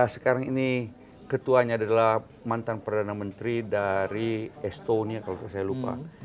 sekarang ini ketuanya adalah mantan perdana menteri dari estonia kalau saya lupa